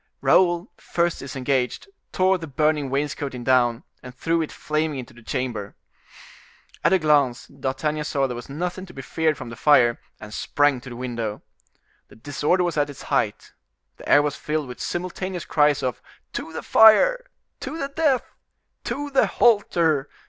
Raoul, first disengaged, tore the burning wainscoting down, and threw it flaming into the chamber. At a glance D'Artagnan saw there was nothing to be feared from the fire, and sprang to the window. The disorder was at its height. The air was filled with simultaneous cries of "To the fire!" "To the death!" "To the halter!"